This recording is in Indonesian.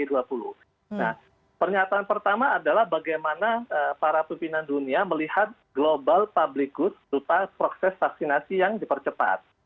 nah pernyataan pertama adalah bagaimana para pimpinan dunia melihat global public good berupa proses vaksinasi yang dipercepat